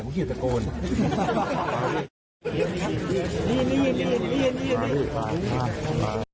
มึงเหยียบกับโกรธ